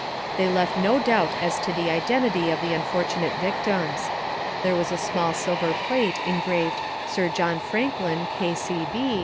They left no doubt as to the identity of the unfortunate victims. There was a small silver plate engraved 'Sir John Franklin, K.C.